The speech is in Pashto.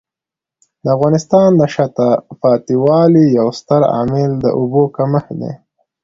د افغانستان د شاته پاتې والي یو ستر عامل د اوبو کمښت دی.